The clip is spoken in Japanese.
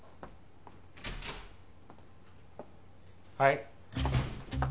はい。